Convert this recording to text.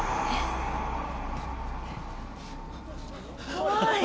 怖い。